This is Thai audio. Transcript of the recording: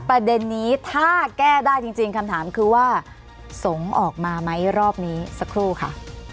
ประเด็นนี้ถ้าแก้ได้จริงคำถามคือว่าสงฆ์ออกมาไหมรอบนี้สักครู่ค่ะ